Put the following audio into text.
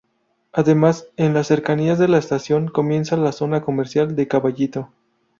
Además en las cercanías de la estación empieza la zona comercial de Caballito.